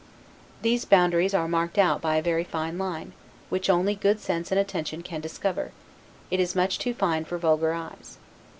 These boundaries are marked out by a very fine line, which only good sense and attention can discover; it is much too fine for vulgar eyes.